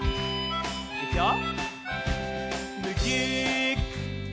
いくよ。